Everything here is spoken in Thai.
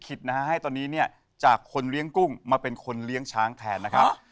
นะฮะให้ตอนนี้เนี่ยจากคนเลี้ยงกุ้งมาเป็นคนเลี้ยงช้างแทนนะครับ